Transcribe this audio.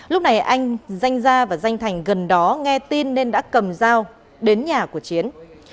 lúc này anh danh gia và danh thành gần đó nghe tin nên đã cầm dao đến nhà của chiến